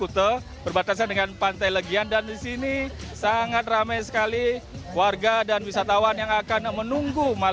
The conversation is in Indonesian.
tepatnya di kawasan kuta